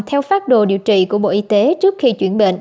theo phát đồ điều trị của bộ y tế trước khi chuyển bệnh